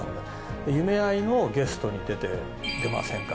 『夢逢え』のゲストに出て出ませんか？